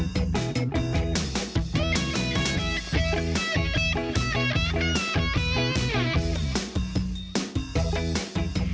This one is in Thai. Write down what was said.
สวัสดีครับ